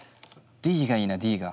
ＤがいいなＤが。